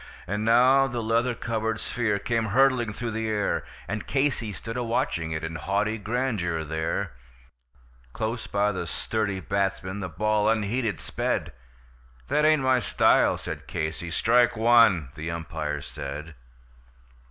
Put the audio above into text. And now the leather covered sphere came hurtling through the air, And Casey stood a watching it in haughty grandeur there; Close by the sturdy batsman the ball unheeded sped: "That ain't my style," said Casey. "Strike one," the umpire said.